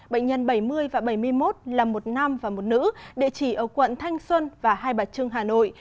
bệnh nhân bảy mươi và bảy mươi một là một nam và một nữ địa chỉ ở quận thanh xuân và hai bà trưng hà nội